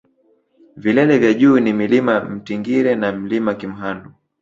vilele vya juu ni mlima mtingire na mlima kimhandu